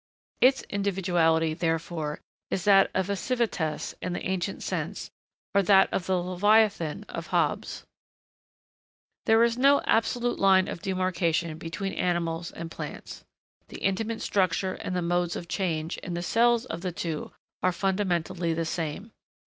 Its individuality, therefore, is that of a 'civitas' in the ancient sense, or that of the Leviathan of Hobbes. There is no absolute line of demarcation between animals and plants. The intimate structure, and the modes of change, in the cells of the two are fundamentally the same.